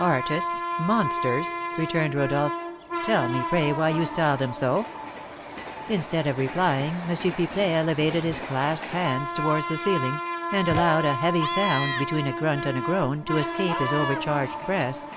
"Artists, monsters!" returned Rodolph. "Tell me, pray, why you style them so." Instead of replying, M. Pipelet elevated his clasped hands towards the ceiling, and allowed a heavy sound, between a grunt and a groan, to escape his overcharged breast.